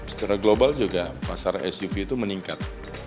secara global juga pasar suv itu meningkat